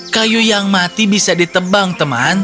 kayu yang mati bisa ditebang teman